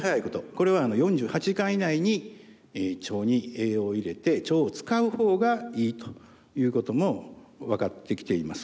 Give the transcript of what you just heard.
これは４８時間以内に腸に栄養を入れて腸を使うほうがいいということも分かってきています。